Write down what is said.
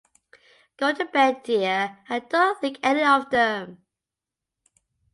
Go to bed, dear; and don’t think any of them.